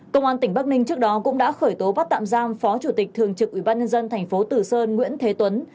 công an tỉnh bắc ninh trước đó cũng đã khởi tố bắt tạm giam phó chủ tịch thường trực ubnd thành phố từ sơn nguyễn thế tuấn